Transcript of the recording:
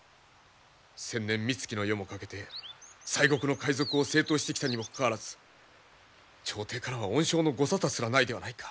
先年みつきの余もかけて西国の海賊を征討してきたにもかかわらず朝廷からは恩賞のご沙汰すらないではないか。